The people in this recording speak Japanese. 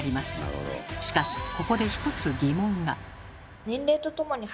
しかしここで一つ疑問が。